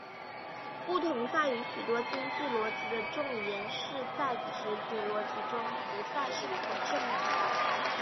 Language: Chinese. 不同在于很多经典逻辑的重言式在直觉逻辑中不再是可证明的。